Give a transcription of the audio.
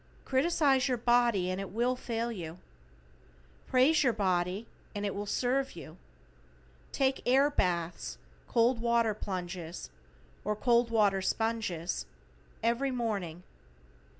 Criticise your body and it will fail you. Praise your body and it will serve you. Take air baths, cold water plunges, or cold water sponges, every morning.